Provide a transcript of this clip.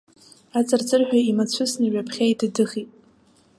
Аҵырҵырҳәа имацәысны, ҩаԥхьа идыдыхит.